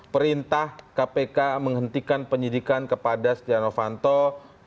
perintah kpk menghentikan penyidikan kepada sian afan tauh